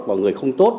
và người không tốt